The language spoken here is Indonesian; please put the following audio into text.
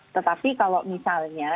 tetapi kalau misalnya